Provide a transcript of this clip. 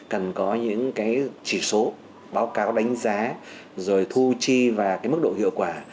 cần có những chỉ số báo cáo đánh giá rồi thu chi và mức độ hiệu quả